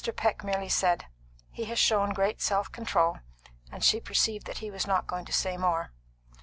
Peck merely said, "He has shown great self control;" and she perceived that he was not going to say more.